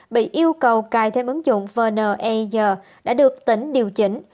bị yêu cầu cài thêm ứng dụng vn e i g đã được tỉnh điều chỉnh